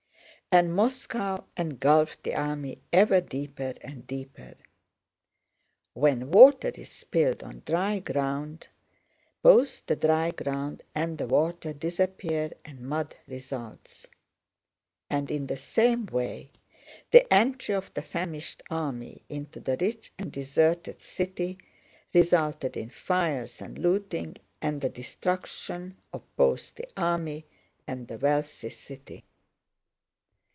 And Moscow engulfed the army ever deeper and deeper. When water is spilled on dry ground both the dry ground and the water disappear and mud results; and in the same way the entry of the famished army into the rich and deserted city resulted in fires and looting and the destruction of both the army and the wealthy city.